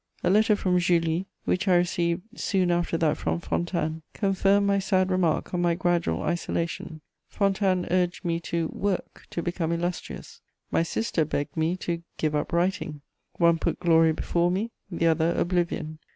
A letter from Julie, which I received soon after that from Fontanes, confirmed my sad remark on my gradual isolation: Fontanes urged me to "work, to become illustrious;" my sister begged me to "give up writing:" one put glory before me, the other oblivion.